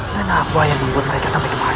dan apa yang membuat mereka sampai kemari